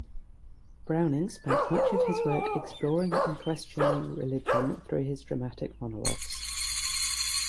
Browning spent much of his work exploring and questioning religion through his dramatic monologues.